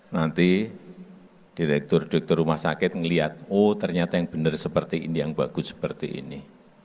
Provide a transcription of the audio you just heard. nanti direktur direktur rumah sakit ngelihat oh ternyata yang benar seperti ini yang bagus seperti ini